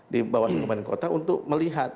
di bawah kota untuk melihat